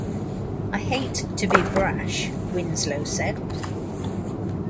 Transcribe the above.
"I hate to be brash", Winslow said.